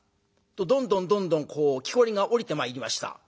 どんどんどんどんきこりが下りてまいりました。